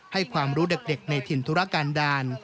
ให้ความรู้เด็กในถิ่นธุรการดาล